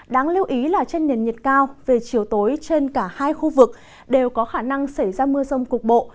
đáng lưu ý là trên nền nhiệt cao về chiều tối trên cả hai khu vực đều có khả năng xảy ra mưa rông cục bộ